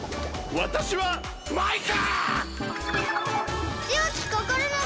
わたしはマイカ。